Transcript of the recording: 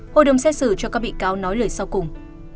hội đồng xét xử cho các bị cáo nói lời sau cùng